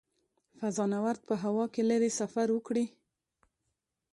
فضانورد په هوا کې لیرې سفر وکړي.